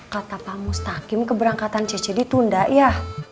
kata pak mustakim keberangkatan ccd tunda ya